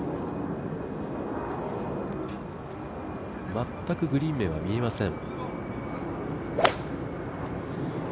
全くグリーン面は見えません。